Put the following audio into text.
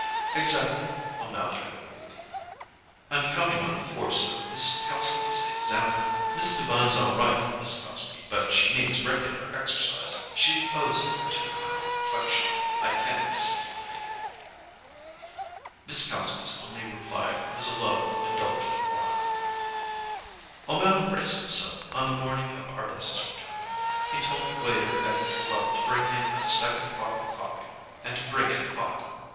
"Exactly," O'Mally agreed. "I'm counting on the force of Miss Kalski's example. Miss Devine's all right, Miss Kalski, but she needs regular exercise. She owes it to her complexion. I can't discipline people." Miss Kalski's only reply was a low, indulgent laugh. O'Mally braced himself on the morning of Ardessa's return. He told the waiter at his club to bring him a second pot of coffee and to bring it hot.